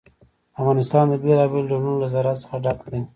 افغانستان د بېلابېلو ډولونو له زراعت څخه ډک دی.